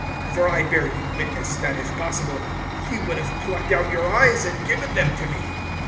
For I bear you witness, that if possible, ye would have plucked out your eyes, and given them to me.